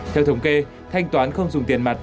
theo thống kê thanh toán không dùng tiền mặt